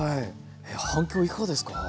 反響いかがですか？